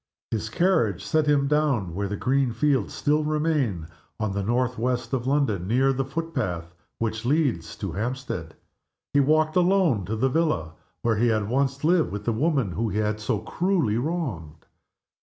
His carriage set him down, where the green fields still remain, on the northwest of London, near the foot path which leads to Hampstead. He walked alone to the villa where he had once lived with the woman whom he had so cruelly wronged.